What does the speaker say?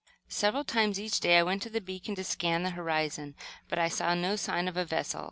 Several times each day I went to the beacon to scan the horizon; but I saw no sign of a vessel.